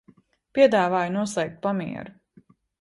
Piedāvāju noslēgt pamieru.